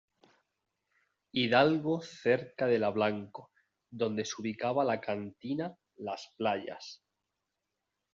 Hidalgo cerca de la Blanco, donde se ubicaba la cantina Las Playas.